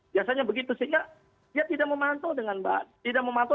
biasanya begitu sehingga dia tidak memantau